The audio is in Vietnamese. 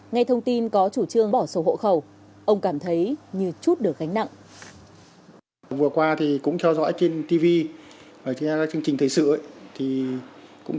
ngay thông tin có chủ trương bỏ sổ hộ khẩu ông cảm thấy như chút được gánh nặng